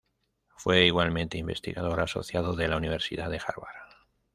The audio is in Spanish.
Fue igualmente investigador asociado de la Universidad de Harvard.